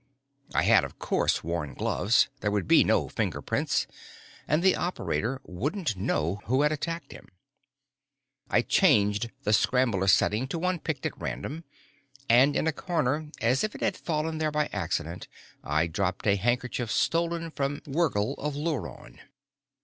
I had, of course, worn gloves. There would be no fingerprints. And the operator wouldn't know who had attacked him. I changed the scrambler setting to one picked at random. And in a corner, as if it had fallen there by accident, I dropped a handkerchief stolen from Wergil of Luron.